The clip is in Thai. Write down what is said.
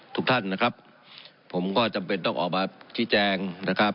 ทุกท่านนะครับผมก็จำเป็นต้องออกมาชี้แจงนะครับ